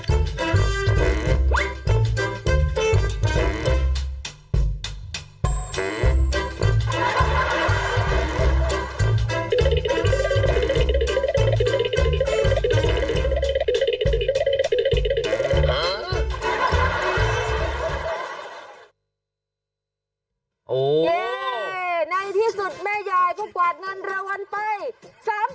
โอ๊ยในที่สุดแม่ยายก็กวาดงานระวัลไป๓๘๐๐บาท